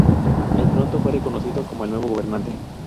Él pronto fue reconocido como el nuevo gobernante.